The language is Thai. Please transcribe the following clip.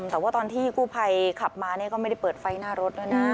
แต่ว่าตอนที่กู้ภัยขับมาก็ไม่ได้เปิดไฟหน้ารถแล้วนะ